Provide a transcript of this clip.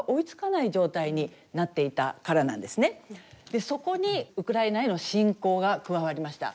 でそこにウクライナへの侵攻が加わりました。